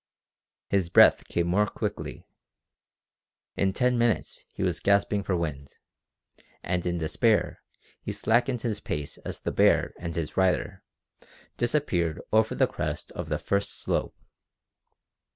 His breath came more quickly. In ten minutes he was gasping for wind, and in despair he slackened his pace as the bear and his rider disappeared over the crest of the first slope.